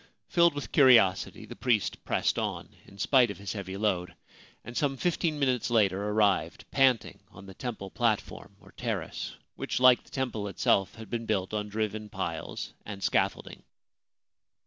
Filled with curiosity, the priest pressed on in spite of his heavy load, and some fifteen minutes later arrived panting on the temple platform, or terrace, which, like the temple itself, had been built on driven piles and scaffolding.